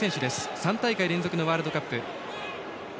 ３大会連続のワールドカップ。